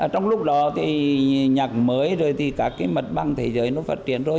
thì nhạc mới rồi thì cả cái mật băng thế giới nó phát triển rồi